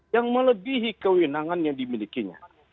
yang melebihi kewenangan yang dimilikinya